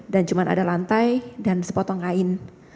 dan cuma ada lantai dan sepotong kain